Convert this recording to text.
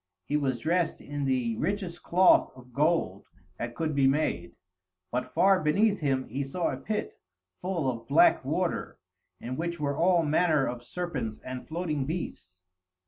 He was dressed in the richest cloth of gold that could be made, but far beneath him he saw a pit, full of black water, in which were all manner of serpents and floating beasts.